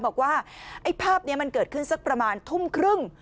บอกว่าไอ้ภาพนี้มันเกิดขึ้นสักประมาณทุ่มครึ่ง